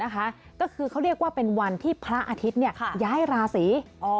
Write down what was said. ก็คือเขาเรียกว่าเป็นวันที่พระอาทิตย์ย้ายราศี